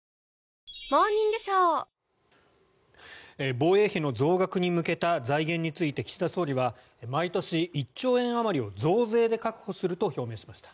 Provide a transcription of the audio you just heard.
防衛費の増額に向けた財源について岸田総理は毎年１兆円あまりを増税で確保すると表明しました。